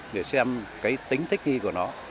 để xem cái tính thích nghi của nó